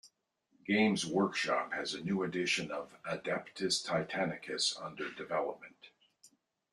Games Workshop has a new edition of "Adeptus Titanicus" under development.